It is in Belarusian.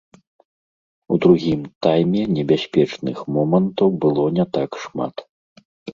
У другім тайме небяспечных момантаў было не так шмат.